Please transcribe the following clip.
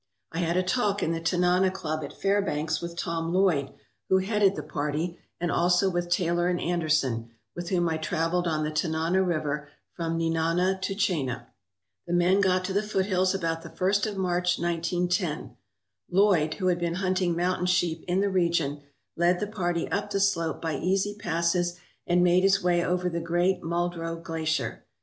I had a talk in the Tanana Club at Fairbanks with Tom Lloyd, who headed the party, and also with Taylor and Anderson, with whom I travelled on the Tanana River from Nenana to Chena. The men got to the foothills about the first of March, 1910. Lloyd, who had been hunting mountain sheep in the region, led the party up the slope by easy passes and made his way over the great Muldrow Glacier.